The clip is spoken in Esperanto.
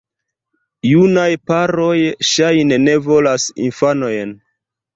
Junaj paroj, ŝajne, ne volas infanojn.